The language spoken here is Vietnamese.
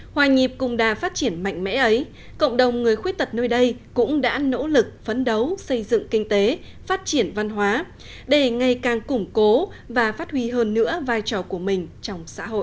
hòa nhịp cùng đà phát triển mạnh mẽ ấy cộng đồng người khuyết tật nơi đây cũng đã nỗ lực phấn đấu xây dựng kinh tế phát triển văn hóa để ngày càng củng cố và phát huy hơn nữa vai trò của mình trong xã hội